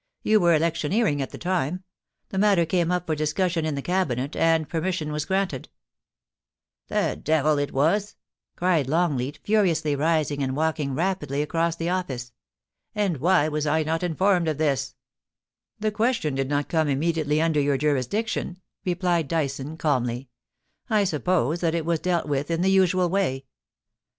You were electioneering at the time. The matter came up for discus sion in the Cabinet, and permission was granted' ' The devil it was 1' cried Longleat furiously, rising and walking rapidly across the office. i^ — a 292 POLICY AXD PASS/OX. * And wby was I not informed of this 7 'The question did not come immediardT cnder your jurisdiction,' replied D^rson, calmly. * I suppose chat it was deak with m the osoal wav.'